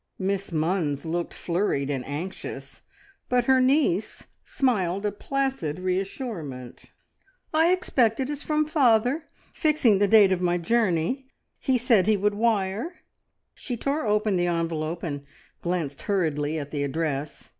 Miss Munns looked flurried and anxious, but her niece smiled a placid reassurement. "I expect it is from father, fixing the date of my journey. He said he would wire." She tore open the envelope and glanced hurriedly at the address.